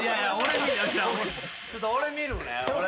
ちょっと俺見るね。